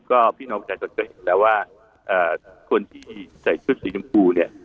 ก็พี่น้องผู้ชายสรุปก็เห็นอะไรว่าคนที่ใส่ชุดสีชมพูเนี่ย